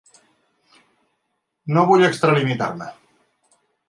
No vull extralimitar-me.